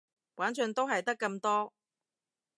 玩盡都係得咁多